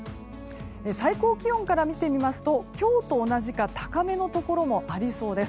最高気温から見てみますと今日と同じか高めのところもありそうです。